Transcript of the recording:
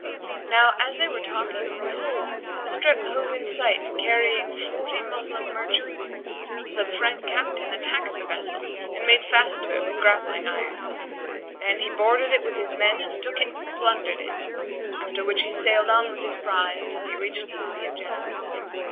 Now as they were talking, behold, a strip hove in sight carrying forty Moslem merchants; so the Frank captain attacked the vessel and made fast to it with grappling irons; then he boarded it with his men and took it and plundered it; after which he sailed on with his prize, till he reached the city of Genoa.